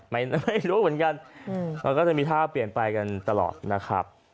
ไม่รู้เหมือนกันมันก็จะมีท่าเปลี่ยนไปกันตลอดนะครับ